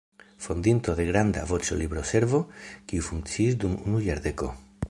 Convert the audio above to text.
Fondinto de granda "Voĉo-Libroservo" kiu funkciis dum unu jardeko.